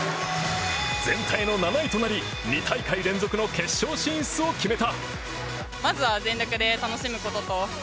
全体の７位となり２大会連続の決勝進出を決めた。